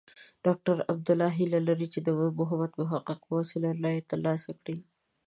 ډاکټر عبدالله هیله لري چې د محمد محقق په وسیله رایې ترلاسه کړي.